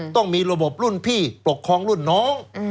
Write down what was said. ต้องมีระบบรุ่นพี่ปกครองรุ่นน้อง